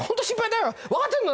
奈央分かってんの！？